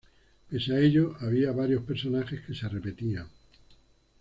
Pese a ello, había varios personajes que se repetían.